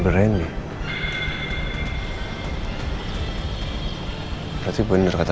ini juga nanti terjadi